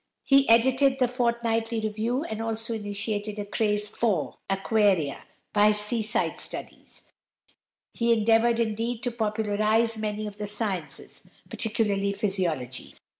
He edited the Fortnightly Review, and also initiated a craze for aquaria, by his "Seaside Studies;" he endeavoured, indeed, to popularise many of the sciences, particularly physiology.